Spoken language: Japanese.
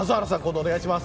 お願いします。